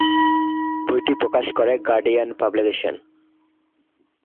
বইটি প্রকাশ করে guardian publications.